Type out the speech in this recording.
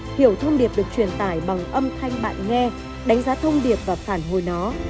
hiểu thông điệp được truyền tải bằng âm thanh bạn nghe đánh giá thông điệp và phản hồi nó